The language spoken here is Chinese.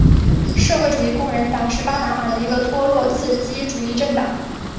社会主义工人党是巴拿马的一个托洛茨基主义政党。